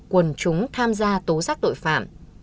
quần chúng tham gia tố giác đội phạm